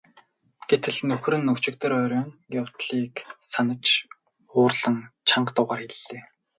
Гэтэл нөхөр нь өчигдөр оройн явдлыг санаж уурлан чанга дуугаар хэллээ.